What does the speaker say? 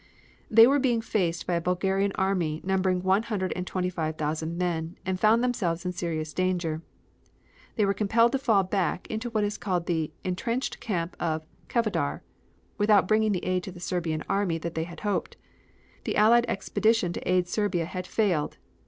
They were being faced by a Bulgarian army numbering one hundred and twenty five thousand men, and found themselves in serious danger. They were compelled to fall back into what is called the "Entrenched Camp of Kavodar" without bringing the aid to the Serbian army that they had hoped. The Allied expedition to aid Serbia had failed.